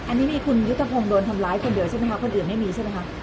อันนี้มีคุณยุทธพงศ์โดนทำร้ายคนเดียวใช่ไหมคะคนอื่นไม่มีใช่ไหมคะ